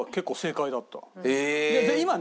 今ね